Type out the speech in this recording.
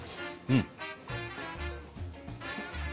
うん。